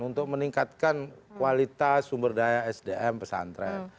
untuk meningkatkan kualitas sumber daya sdm pesantren